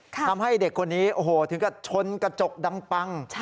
ทำให้เด็กคนนี้โอ้โหถึงกับชนกระจกดังปัง